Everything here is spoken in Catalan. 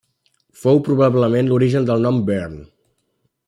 Fou probablement l'origen del nom Bearn.